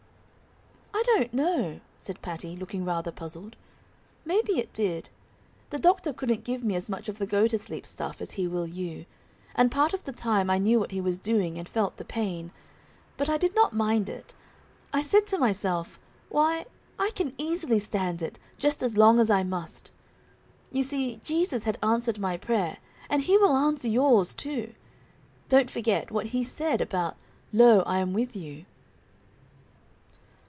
"I don't know," said Patty, looking rather puzzled, "maybe it did. The doctor couldn't give me as much of the go to sleep stuff as he will you; and part of the time I knew what he was doing, and felt the pain. But I did not mind it; I said to myself, 'Why, I can easily stand it; just as long as I must.' You see Jesus had answered my prayer, and He will answer yours, too. Don't forget, what He said about 'Lo, I am with you.'"